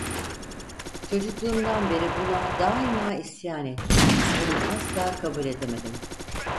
Çocukluğumdan beri buna daima isyan ettim, bunu asla kabul edemedim.